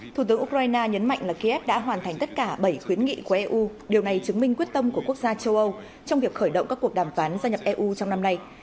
thủ tướng ukraine nhấn mạnh là kiev đã hoàn thành tất cả bảy khuyến nghị của eu điều này chứng minh quyết tâm của quốc gia châu âu trong việc khởi động các cuộc đàm phán gia nhập eu trong năm nay